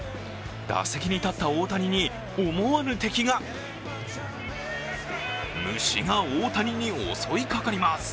打席に立った大谷に思わぬ敵が虫が大谷に襲いかかります。